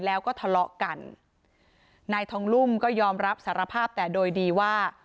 แล้วก็ทะเลาะกันนายทองลุ่มก็ยอมรับสารภาพแต่โดยดีว่า